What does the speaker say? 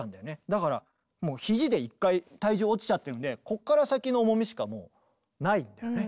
だからもう肘で一回体重落ちちゃってるんでここから先の重みしかもうないんだよね。